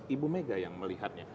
ibu mega yang melihatnya